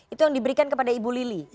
itu yang diberikan kepada ibu lili